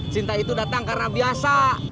cinta itu datang karena biasa